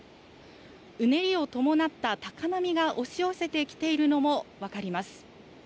うねりを伴った高波が押し寄せてきているのも分かります。